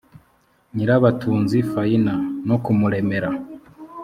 nyirabatunzi faina no kumuremera